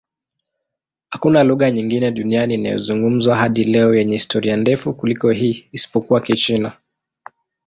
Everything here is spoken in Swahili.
Hakuna lugha nyingine duniani inayozungumzwa hadi leo yenye historia ndefu kuliko hii, isipokuwa Kichina.